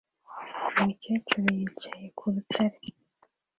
Umukecuru yicaye ku rutare